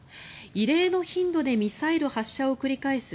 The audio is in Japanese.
異例の頻度でミサイル発射を繰り返す